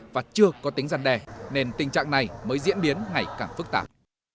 và chưa có tính gian đe nên tình trạng này mới diễn biến ngày càng phức tạp